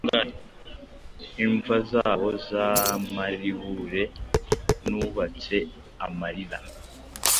Imva zabo za maribule nubatse amarira,